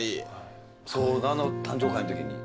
あの誕生会のときに。